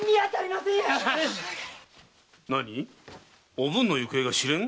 おぶんの行方が知れん？